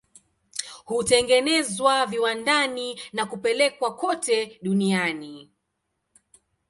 Hutengenezwa viwandani na kupelekwa kote duniani.